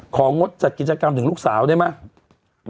งดจัดกิจกรรมถึงลูกสาวได้ไหม